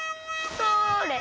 それ！